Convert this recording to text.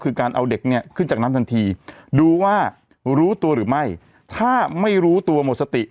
คือการเอาเด็กเนี่ยขึ้นจากน้ำทันทีดูว่ารู้ตัวหรือไม่ถ้าไม่รู้ตัวหมดสติ